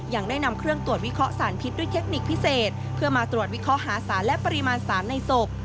ยังได้นำเครื่องตรวจวิเคราะห์สารพิษด้วยเทคนิคพิเศษเพื่อมาตรวจวิเคราะห์หาสารและปริมาณสารในศพ